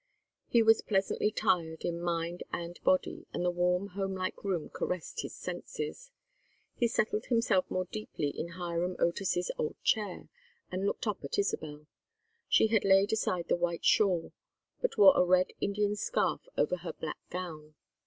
He was pleasantly tired in mind and body, and the warm homelike room caressed his senses. He settled himself more deeply in Hiram Otis's old chair and looked up at Isabel. She had laid aside the white shawl, but wore a red Indian scarf over her black gown.